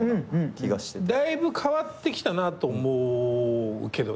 だいぶ変わってきたなと思うけど。